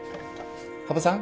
羽生さん。